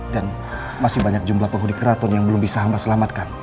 dan masih banyak jumlah penghuni keraton yang belum bisa hamba selamatkan